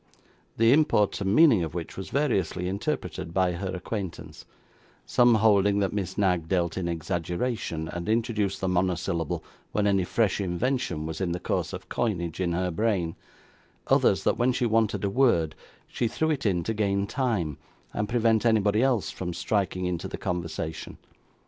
the import and meaning of which, was variously interpreted by her acquaintance; some holding that Miss Knag dealt in exaggeration, and introduced the monosyllable when any fresh invention was in course of coinage in her brain; others, that when she wanted a word, she threw it in to gain time, and prevent anybody else from striking into the conversation.